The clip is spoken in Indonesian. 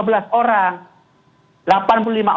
di ruangan cuma ada lima belas orang